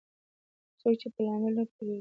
څوک یې په لامل نه پوهیږي